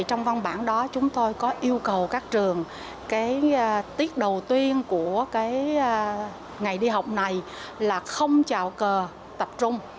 trong văn bản đó chúng tôi có yêu cầu các trường tiết đầu tiên của ngày đi học này là không chào cờ tập trung